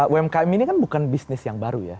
umkm ini kan bukan bisnis yang baru ya